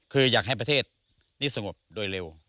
คืออยากให้ประเทศนี้สงบโดยเร็ว